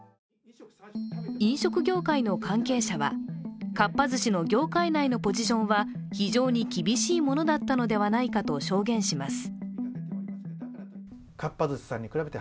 飲食業界の関係者は、かっぱ寿司の業界内のポジションは非常に厳しいものだったのではないかと証言します。